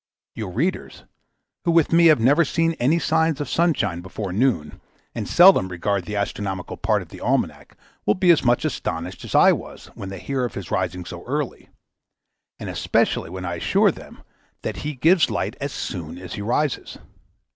Your readers, who with me have never seen any signs of sunshine before noon, and seldom regard the astronomical part of the almanac, will be as much astonished as I was, when they hear of his rising so early; and especially when I assure them, that he gives light as soon as he rises.